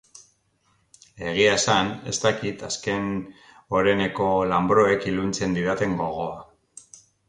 Egia esan, ez dakit azken oreneko lanbroek iluntzen didaten gogoa.